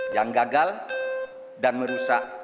yang gagal dan merusak